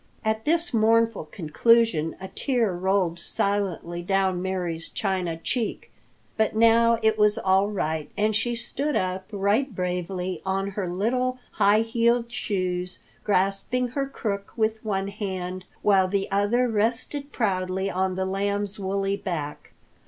At this mournful conclusion a tear rolled silently down Mary's china cheek. But now it was all right, and she stood up right bravely on her little, high heeled shoes, grasping her crook with one hand, while the other rested proudly on the Lamb's woolly back.